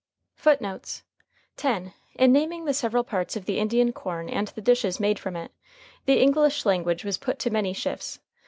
FOOTNOTES: [Footnote 10: In naming the several parts of the Indian corn and the dishes made from it, the English language was put to many shifts.